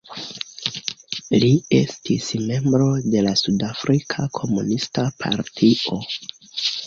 Li estis membro de la Sudafrika Komunista Partio.